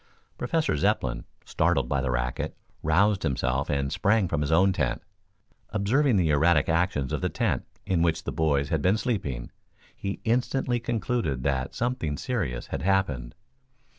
Professor Zepplin, startled by the racket, roused himself and sprang from his own tent. Observing the erratic actions of the tent in which the boys had been sleeping, he instantly concluded that something serious had happened.